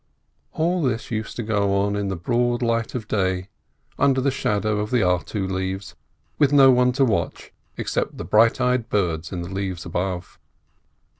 All this used to go on in the broad light of day, under the shadow of the artu leaves, with no one to watch except the bright eyed birds in the leaves above.